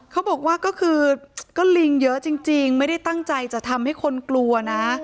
เขาบอกว่าก็คือก็ลิงเยอะจริงไม่ได้ตั้งใจจะทำให้คนกลัวนะ